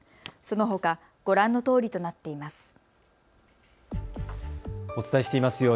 そのほかご覧のとおりとなっています。